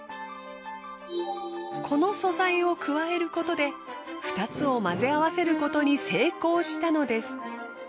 この素材を加えることで２つを混ぜ合わせることに成功したのです。